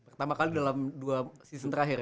pertama kali dalam dua season terakhir